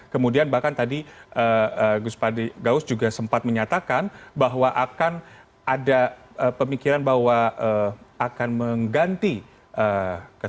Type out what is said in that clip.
kemudian bahkan tadi gus padi gaus juga sempat menyatakan bahwa akan ada pemikiran bahwa akan mengganti ketua